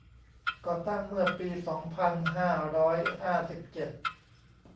ก่อตั้งเมื่อปี สองพันห้าร้อยห้าสิบเจ็ด